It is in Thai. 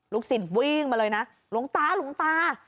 สิทธิ์วิ่งมาเลยนะหลวงตาหลวงตา